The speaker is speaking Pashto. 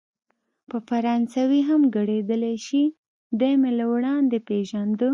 په فرانسوي هم ګړیدلای شي، دی مې له وړاندې پېژانده.